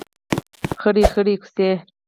خړې خړۍ کوڅې